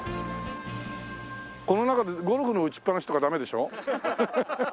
この中でゴルフの打ちっぱなしとかダメでしょ？